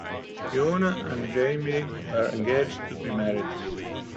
Fiona and Jamie were engaged to be married.